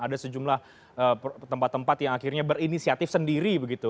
ada sejumlah tempat tempat yang akhirnya berinisiatif sendiri begitu